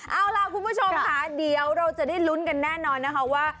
เอาล่ะคุณผู้ชมค่ะเดี๋ยวเราจะได้ลุ้นกันแน่นอนนะคะว่า